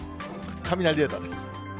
雷レーダーです。